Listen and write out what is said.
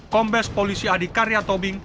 kombes polisi adi karya tobing